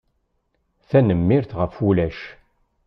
Tanemmirt ɣef wulac.